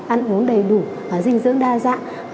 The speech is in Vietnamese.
ăn uống đầy đủ dinh dưỡng đa dạng